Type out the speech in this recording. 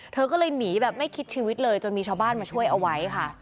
เธอก็เลยหนีแบบไม่คิดชีวิตเลยจนมีชาวบ้านมาช่วยเอาไว้ค่ะ